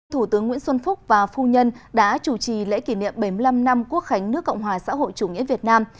thủ tướng nguyễn xuân phúc và phu nhân đã chủ trì lễ kỷ niệm bảy mươi năm năm quốc khánh nước cộng hòa xã hội chủ nghĩa việt nam